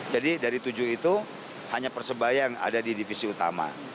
dari tujuh itu hanya persebaya yang ada di divisi utama